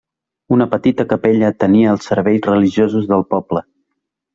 Una petita capella atenia els serveis religiosos del poble.